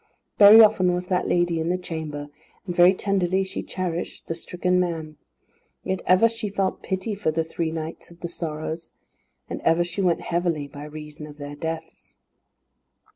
Very often was the lady in the chamber, and very tenderly she cherished the stricken man. Yet ever she felt pity for the three Knights of the Sorrows, and ever she went heavily by reason of their deaths.